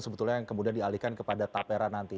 sebetulnya yang kemudian dialihkan kepada tapera nanti